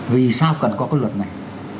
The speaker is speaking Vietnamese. vì sao cần có cái luật này